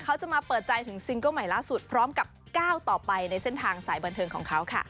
เขาจะมาเปิดใจถึงซิงเกิ้ลใหม่ล่าสุดพร้อมกับก้าวต่อไปในเส้นทางสายบันเทิงของเขาค่ะ